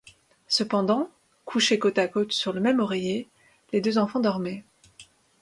Cependant, couchés côte à côte sur le même oreiller, les deux enfants dormaient.